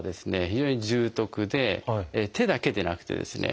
非常に重篤で手だけでなくてですね